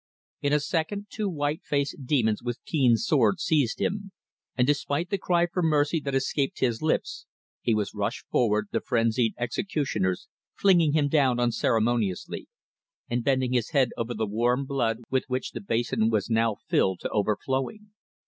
In a second two white faced demons with keen swords seized him, and despite the cry for mercy that escaped his lips, he was rushed forward, the frenzied executioners flinging him down unceremoniously, and bending his head over the warm blood with which the basin was now filled to overflowing.